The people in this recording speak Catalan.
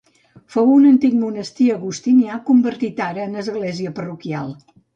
Fou un antic monestir agustinià, convertit ara en església parroquial.